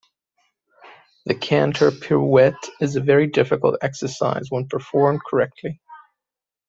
The canter pirouette is a very difficult exercise when performed correctly.